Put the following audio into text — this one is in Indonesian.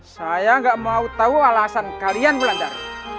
saya nggak mau tahu alasan kalian melanggar